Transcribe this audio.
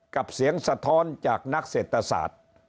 กับเสียงสะท้อนจากนักเศรษฐศาสตร์